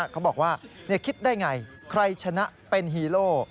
เขาบอกว่านี่คิดได้อย่างไรใครชนะเป็นฮีโร่